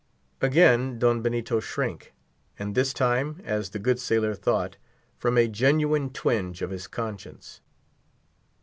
Again Don Benito shrank; and this time, as the good sailor thought, from a genuine twinge of his conscience.